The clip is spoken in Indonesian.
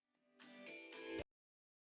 ini adalah singa afrika